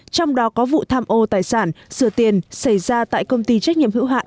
trong đó có vụ tham ô tài sản sửa tiền xảy ra tại công ty trách nhiệm hữu hạn